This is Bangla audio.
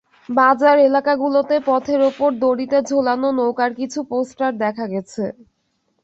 বাজার এলাকাগুলোতে পথের ওপর দড়িতে ঝোলানো নৌকার কিছু পোস্টার দেখা গেছে।